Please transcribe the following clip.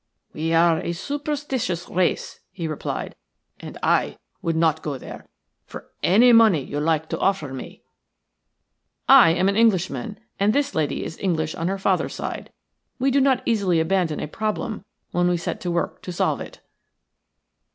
"We are a superstitious race," he replied, "and I would not go there for any money you liked to offer me." "I am an Englishman, and this lady is English on her father's side. We do not easily abandon a problem when we set to work to solve it."